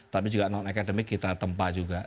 tapi juga non akademik kita tempa juga